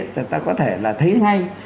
thì ta có thể là thấy ngay